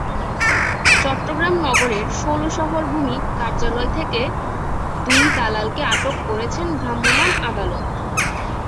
চট্টগ্রাম নগরের ষোলশহর ভূমি কার্যালয় থেকে দুই দালালকে আটক করেছেন ভ্রাম্যমাণ আদালত।